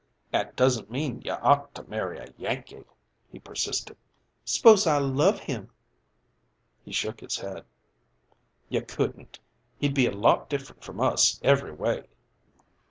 "'At doesn't mean you ought to marry a Yankee," he persisted. "S'pose I love him?" He shook his head. "You couldn't. He'd be a lot different from us, every way."